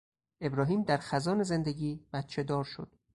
ابراهیم در خزان زندگی بچهدار شد.